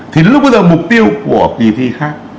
thì lúc bây giờ mục tiêu của kỳ thi khác